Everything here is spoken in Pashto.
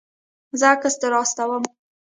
زه عکس در استوم